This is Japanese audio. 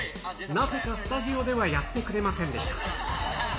なぜかスタジオではやってくれませんでした。